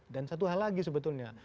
dan satu hal lagi sebetulnya